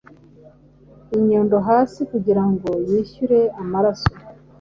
inyundo hasi Kugira ngo yishyure amaraso.